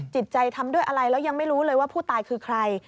จิตใจทำด้วยอะไรแล้วยังไม่รู้เลยว่าผู้ตายคือใคร